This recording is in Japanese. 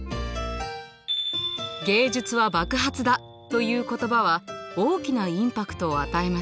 「芸術は爆発だ！」という言葉は大きなインパクトを与えました。